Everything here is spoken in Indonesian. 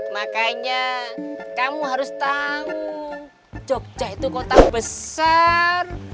makanya kamu harus tahu jogja itu kota besar